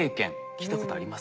聞いたことあります？